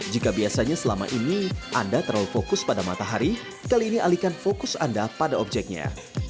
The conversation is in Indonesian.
jika biasanya selama ini anda terlalu fokus pada matahari kali ini alihkan fokus anda pada objeknya